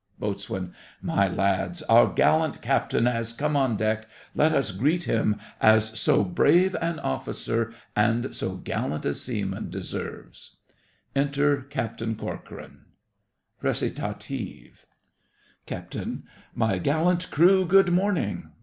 BOAT. My lads, our gallant captain has come on deck; let us greet him as so brave an officer and so gallant a seaman deserves. Enter CAPTAIN CORCORAN RECITATIVE CAPT. My gallant crew, good morning.